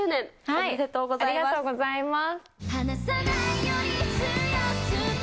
ありがとうございます。